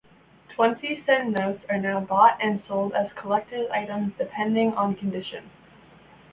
Twenty sen notes are now bought and sold as collectors items depending on condition.